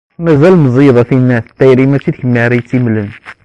Mazal meẓẓiyeḍ a tinnat, tayri, mačči d kemm ara iyi-tt-yemmlen.